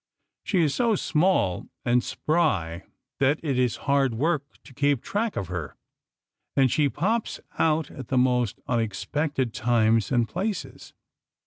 She is so small and spry that it is hard work to keep track of her, and she pops out at the most unexpected times and places.